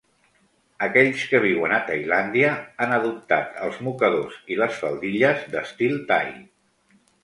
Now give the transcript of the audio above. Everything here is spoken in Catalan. Aquells que viuen a Tailàndia han adoptat els mocadors i les faldilles d'estil thai.